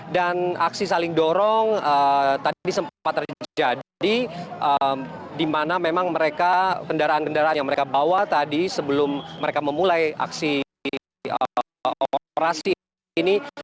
dan aksi saling dorong tadi sempat terjadi di mana memang mereka kendaraan kendaraan yang mereka bawa tadi sebelum mereka memulai aksi operasi ini